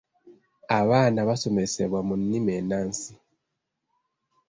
Abaana basomesebwa mu nnimi ennansi.